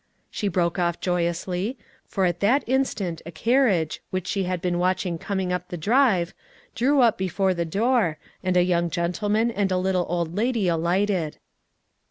she broke off joyously, for at that instant a carriage, which she had been watching coming up the drive, drew up before the door, and a young gentleman and a little old lady alighted.